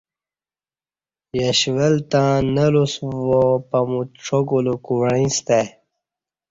یش ول تݩ نہ لوس واں پمو ڄاکولہ کو وعیݩ ستہ ا ی